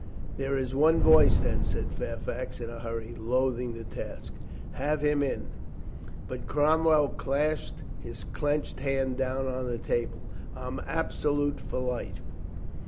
"There is one voice, then," said Fairfax in a hurry, loathing the task. "Have him in !" But Cromwell clashed his clenched hand down on the table. "I'm absolute for life!"